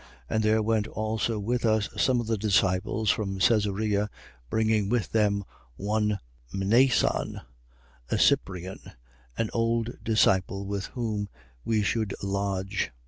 21:16. And there went also with us some of the disciples from Caesarea, bringing with them one Mnason a Cyprian, an old disciple, with whom we should lodge.